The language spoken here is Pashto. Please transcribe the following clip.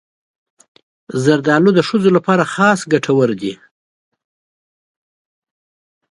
زردالو د ښځو لپاره خاص ګټور دی.